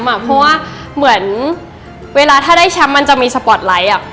เพราะว่าเหมือนเวลาถ้าได้แชมป์มันจะมีสปอร์ตไลท์